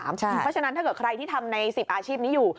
เพราะฉะนั้นถ้าเกิดใครที่ทำใน๑๐อาชีพนี้อยู่